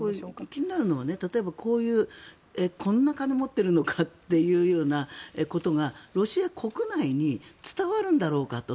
気になるのは、例えばこんな金を持っているのかっていうようなことがロシア国内に伝わるんだろうかと。